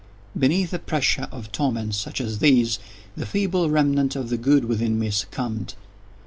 _ Beneath the pressure of torments such as these, the feeble remnant of the good within me succumbed.